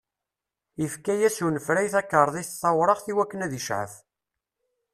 Ifka-yas unefray takarḍit tawraɣt i wakken ad icɛef.